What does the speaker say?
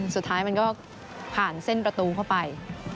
สุดท้ายมันก็ผ่านเส้นประตูเข้าไป